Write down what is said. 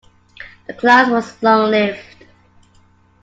The class was long-lived.